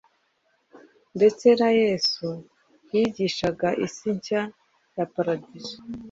ndetse na yesu yigishaga isi nshya ya paradizo